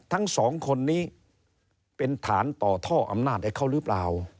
ทั้งสองคนนี้เป็นฐานต่อท่ออำนาจให้เขาหรือเปล่า